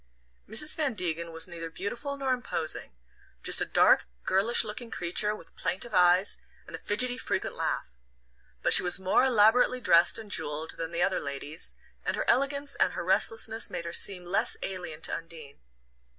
Mrs. Van Degen was neither beautiful nor imposing: just a dark girlish looking creature with plaintive eyes and a fidgety frequent laugh. But she was more elaborately dressed and jewelled than the other ladies, and her elegance and her restlessness made her seem less alien to Undine.